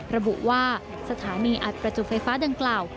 ระบุว่าสถานีอัดประจุไฟฟ้าดังกล่าว